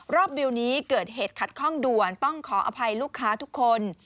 วิวนี้เกิดเหตุขัดข้องด่วนต้องขออภัยลูกค้าทุกคน